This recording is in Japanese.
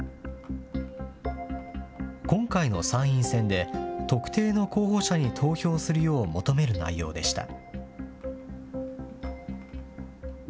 今回の参院選で、特定の候補者に投票するよう求める内容でした。